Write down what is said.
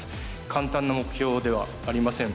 簡単な目標ではありません。